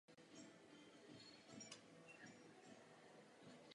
Obdobný postup byl použit pro výstavbu Nové radnice.